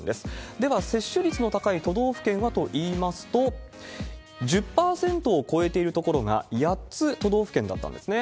では接種率の高い都道府県はといいますと、１０％を超えている所が８つ、都道府県だったんですね。